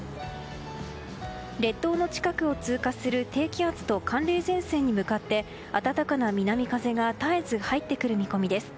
列島の近くを通過する低気圧と寒冷前線に向かって暖かな南風が絶えず入ってくる見込みです。